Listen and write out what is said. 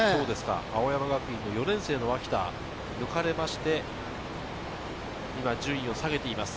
青山学院大学４年生・脇田が抜かれまして、今、順位を下げています。